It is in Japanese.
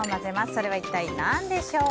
それは一体何でしょう？